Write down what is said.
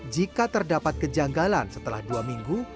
jika terdapat kejanggalan setelah dua minggu